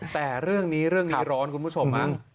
แต่เรื่องนี้ร้อนคุณผู้ชมอ่ะ